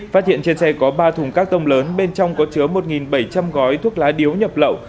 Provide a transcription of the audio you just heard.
phát hiện trên xe có ba thùng các tông lớn bên trong có chứa một bảy trăm linh gói thuốc lá điếu nhập lậu